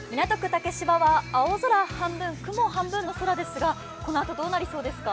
竹芝は青空半分、雲半分の空ですがこのあとどうなりそうですか？